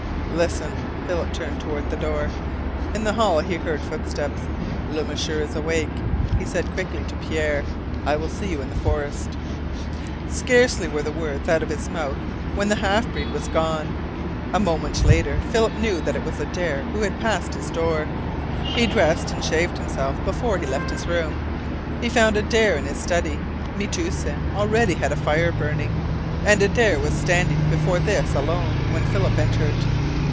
"Listen!" Philip turned toward the door. In the hall he heard footsteps. "Le M'sieur is awake," he said quickly to Pierre. "I will see you in the forest!" Scarcely were the words out of his mouth when the half breed was gone. A moment later Philip knew that it was Adare who had passed his door. He dressed and shaved himself before he left his room. He found Adare in his study. Metoosin already had a fire burning, and Adare was standing before this alone, when Philip entered.